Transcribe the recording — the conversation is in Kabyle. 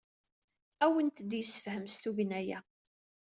Ad awent-d-yessefhem s tugna-a.